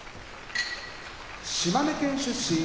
島根県出身